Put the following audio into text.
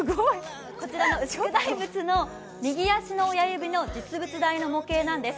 こちらの牛久大仏の右足の親指の実物大の模型なんです。